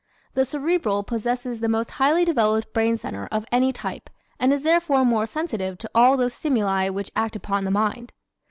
The Cerebral possesses the most highly developed brain center of any type and is therefore more sensitive to all those stimuli which act upon the mind.